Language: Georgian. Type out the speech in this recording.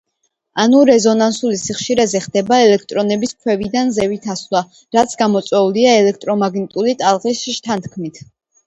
ანუ რეზონანსული სიხშირეზე ხდება ელექტრონების ქვევიდან ზევით ასვლა, რაც გამოწვეულია ელექტრომაგნიტური ტალღის შთანთქმით.